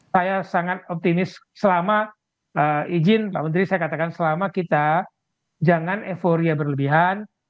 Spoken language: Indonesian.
saya sangat optimis selama izin pak menteri saya katakan selama kita jangan euforia berlebihan